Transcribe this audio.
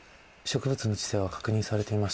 植物の知性は確認されています。